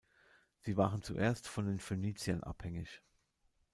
Sie waren zuerst von den Phöniziern abhängig.